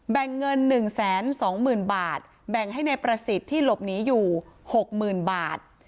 แบ่งเงินหนึ่งแสนสองหมื่นบาทแบ่งให้ในประสิทธิ์ที่หลบหนีอยู่หกหมื่นบาท